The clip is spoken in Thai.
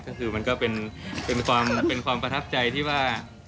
ก็คือมันก็เป็นความประทับใจที่ว่า